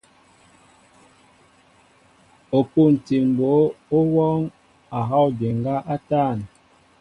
O pûntil mbǒ ó wɔɔŋ a hɔw ndiŋgá a tȃn.